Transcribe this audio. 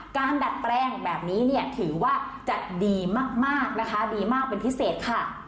ดัดแปลงแบบนี้เนี่ยถือว่าจะดีมากนะคะดีมากเป็นพิเศษค่ะ